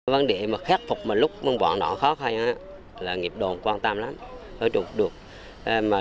vấn đề mà khắc phục lúc bọn nó khó khăn là nghiệp đoàn quan tâm lắm